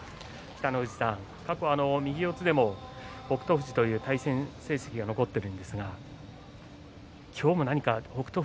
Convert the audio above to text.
北の富士さん、過去右四つでも北勝富士という対戦成績が残っているんですが今日も何か北勝